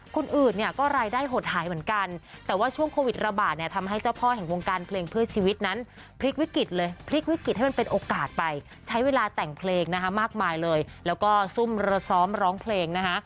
คนอื่นเนี่ยก็รายได้หดหายเหมือนกันแต่ว่าช่วงโควิดระบาดเนี่ยทำให้เจ้าพ่อแห่งวงการเพลงเพื่อชีวิตนั้นพลิกวิกฤตเลยพลิกวิกฤตให้มันเป็นโอกาสไปใช้เวลาแต่งเพลงนะคะมากมายเลยแล้วก็ซุ่มระซ้อมร้องเพลงนะคะ